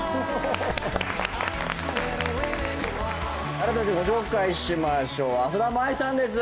改めてご紹介しましょう浅田舞さんです